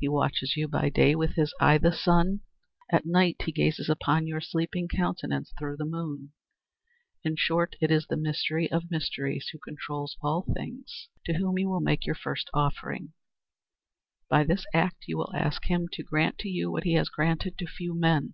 He watches you by day with his eye, the sun; at night, he gazes upon your sleeping countenance through the moon. In short, it is the Mystery of Mysteries, who controls all things, to whom you will make your first offering. By this act, you will ask him to grant to you what he has granted to few men.